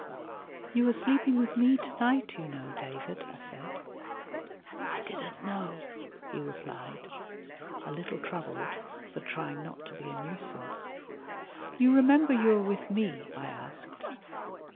"You are sleeping with me to night, you know, David," I said. "I didn't know," he replied, a little troubled but trying not to be a nuisance. "You remember you are with me?" I asked.